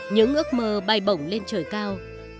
những ước mơ bay bổng lên trời cao